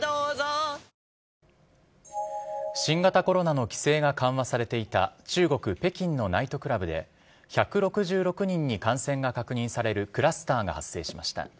新型コロナの規制が緩和されていた中国・北京のナイトクラブで、１６６人に感染が確認されるクラスターが発生しました。